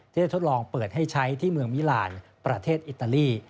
ได้ทดลองเปิดให้ใช้ที่เมืองมิลานประเทศอิตาลี